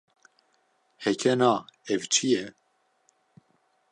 Heke na, ev çi ye?